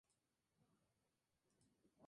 Ahora se exhibe en el Museo Egipcio de El Cairo.